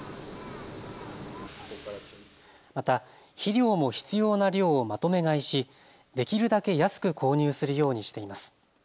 また肥料も必要な量をまとめ買いし、できるだけ安く購入するようにしています。